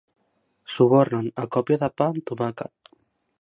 Subornen a còpia de pa amb tomàquet.